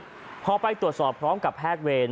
คนเสียชีวิตพอไปตรวจสอบพร้อมกับแพทย์เวร